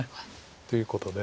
ということで。